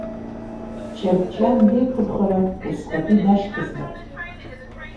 Ҷабҷан леиқәырхара усҟатәи дашьҭазма.